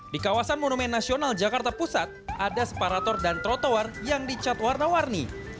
di kawasan monumen nasional jakarta pusat ada separator dan trotoar yang dicat warna warni